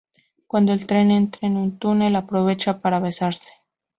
Cuando el tren entra en un túnel, aprovechan para besarse.